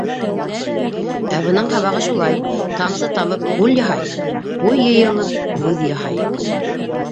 —Ә бының һабағы шулай: тамсы тамып, күл яһай, уй йыйылып, һүҙ яһай.